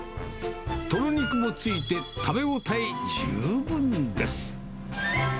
とろ肉もついて、食べ応え十分です。